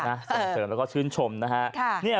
เสริมเฉินแล้วก็ชื่นชมนะคะ